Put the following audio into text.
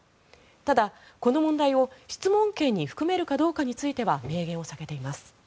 ただ、この問題を質問権に含めるかどうかについては明言を避けています。